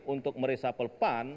untuk merisapel pan